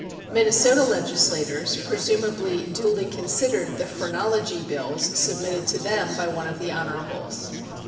Minnesota legislators presumably duly considered the phrenology bills submitted to them by one of the honorables.